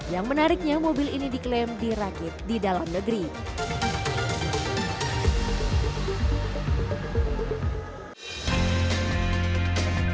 yang menariknya mobil ini diklaim sebagai mobil yang sangat berkembang